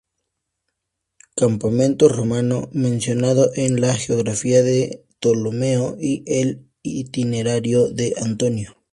Campamento romano, mencionado en la Geografía de Ptolomeo y el el Itinerario de Antonino.